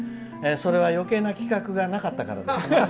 それは余計な企画がなかったから。